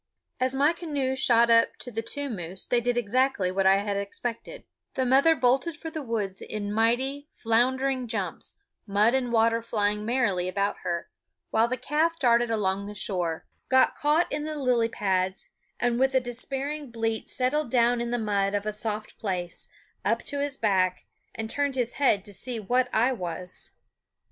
As my canoe shot up to the two moose they did exactly what I had expected; the mother bolted for the woods in mighty, floundering jumps, mud and water flying merrily about her; while the calf darted along the shore, got caught in the lily pads, and with a despairing bleat settled down in the mud of a soft place, up to his back, and turned his head to see what I was.